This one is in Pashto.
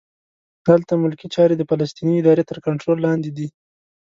دلته ملکي چارې د فلسطیني ادارې تر کنټرول لاندې دي.